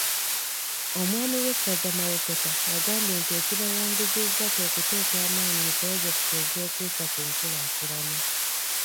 Omwami w'essaza Mawokota agambye nti ekibawanguzizza kwe kuteeka amaanyi mu pulojekiti ezeekuusa ku nkulaakulana.